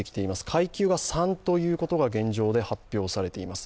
階級が３ということが現状で発表されています。